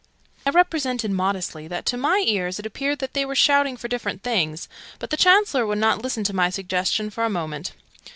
I represented, modestly, that to my ears it appeared that they were shouting for different things, but the Chancellor would not listen to my suggestion for a moment.